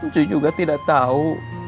saya juga tidak tahu